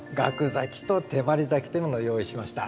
咲きと手まり咲きというものを用意しました。